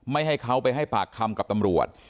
ให้เขาไปให้ปากคำกับตำรวจ